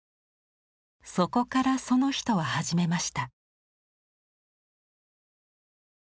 そこからその人は始めました。